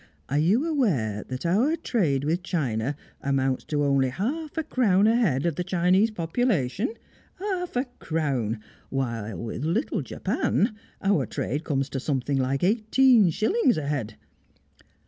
Are you aware that our trade with China amounts to only half a crown a head of the Chinese population? Half a crown! While with little Japan, our trade comes to something like eighteen shillings a head.